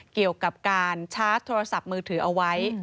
เกี่ยวกับการชาร์จโทรศัพท์มือถือเอาไว้